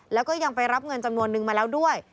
แล้วก็ยังไปรับเงินจำนวนนึงมาแล้วด้วย